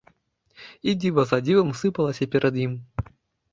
І дзіва за дзівам сыпалася перад ім.